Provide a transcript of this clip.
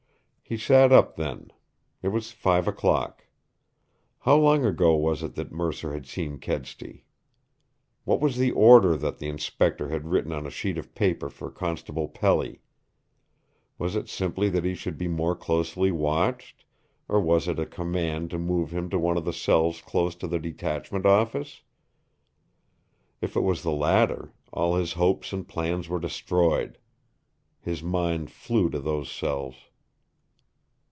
He sat up then. It was five o'clock. How long ago was it that Mercer had seen Kedsty? What was the order that the Inspector had written on a sheet of paper for Constable Pelly? Was it simply that he should be more closely watched, or was it a command to move him to one of the cells close to the detachment office? If it was the latter, all his hopes and plans were destroyed. His mind flew to those cells.